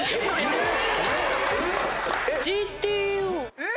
えっ？